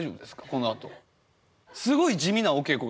このあと。